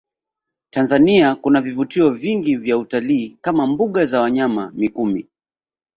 Tanzania kuna vivutio vingi vya utalii kama mbuga za wanyama mikumi